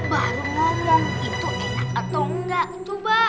baru ngomong itu enak atau enggak coba